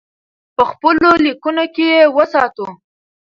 په خپلو لیکنو کې یې وساتو.